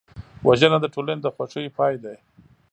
وژنه د ټولنې د خوښیو پای دی